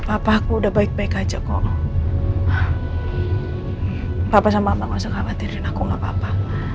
apa apa sama mama gak usah khawatirin aku gak apa apa